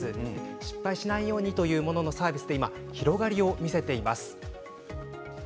失敗しないようにというもののサービスで今、広がりを見せています。